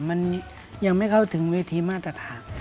มันยังไม่เข้าถึงเวทีมาตรฐาน